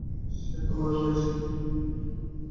সে তোমারই বয়সী।